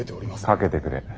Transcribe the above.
かけてくれ。